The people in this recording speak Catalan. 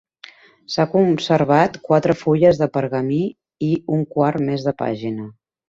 S'han conservat quatre fulles de pergamí i un quart més de pàgina.